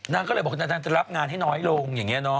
นางก็เลยบอกนางจะรับงานให้น้อยลงอย่างนี้เนอ